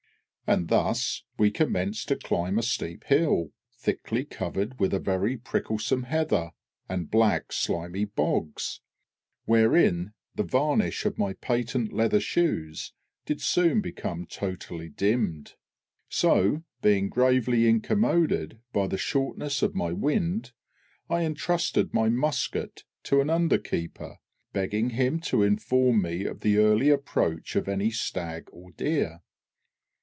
And thus we commenced to climb a steep hill, thickly covered with a very pricklesome heather, and black slimy bogs, wherein the varnish of my patent leather shoes did soon become totally dimmed. So, being gravely incommoded by the shortness of my wind, I entrusted my musket to an under keeper, begging him to inform me of the early approach of any stag or deer.